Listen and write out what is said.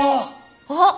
あっ！